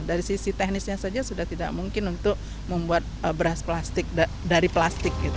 dari sisi teknisnya saja sudah tidak mungkin untuk membuat beras plastik dari plastik gitu